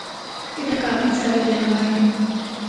اِتھا کافی سارے جانور ہن۔